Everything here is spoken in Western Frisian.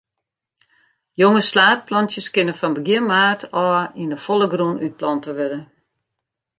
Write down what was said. Jonge slaadplantsjes kinne fan begjin maart ôf yn 'e folle grûn útplante wurde.